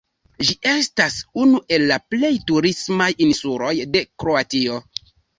Ĝi estas unu el la plej turismaj insuloj de Kroatio.